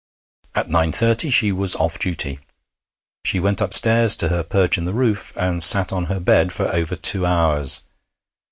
At nine thirty she was off duty. She went upstairs to her perch in the roof, and sat on her bed for over two hours.